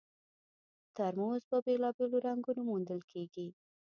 ترموز په بېلابېلو رنګونو موندل کېږي.